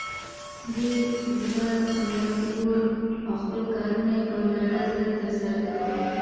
ډیر زړه ور وو او خپل کارونه یې په ډاډه زړه تر سره کول.